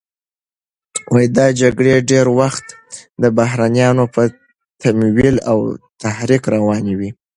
دا جګړې ډېری وخت د بهرنیانو په تمویل او تحریک روانې وې.